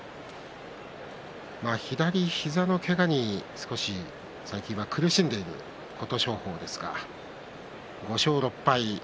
左膝のけがに最近は苦しんでいる琴勝峰ですが５勝６敗。